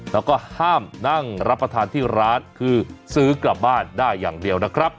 แล้วก็ห้ามนั่งรับประทานที่ร้านคือซื้อกลับบ้านได้อย่างเดียวนะครับ